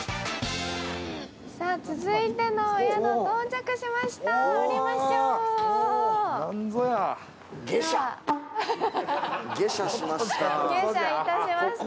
さあ、続いてのお宿、到着しました。